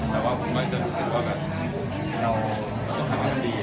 แต่ว่าคุณแม่จะรู้สึกว่าแบบเราต้องทำให้ดี